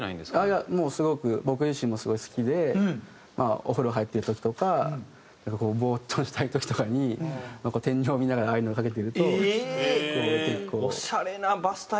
いやもうすごく僕自身もすごい好きでお風呂入ってる時とかボーッとしたい時とかに天井を見ながらああいうのをかけてると結構。